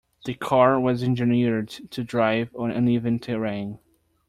The car was engineered to drive on uneven terrain.